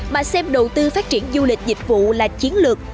mà xem đầu tư phát triển du lịch dịch vụ là chiến lược